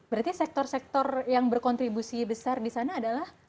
berarti sektor sektor yang berkontribusi besar di sana adalah